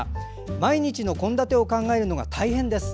毎日の献立を考えるのが大変です。